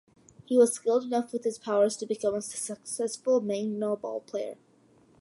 He was skilled enough with his powers to become a successful magno-ball player.